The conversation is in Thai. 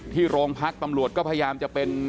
โรงพักตำรวจก็พยายามจะเป็น